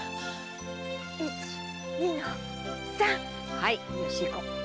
はいよし行こう！